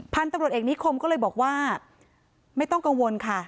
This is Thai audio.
พันธุ์ตำรวจเอกนิคมก็เลยบอกว่าไม่ต้องกังวลค่ะ